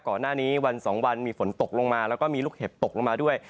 ก่อนหน้านี้วันสองวันมีฝนตกลงมาแล้วก็มีลูกเห็บตกลงมาด้วย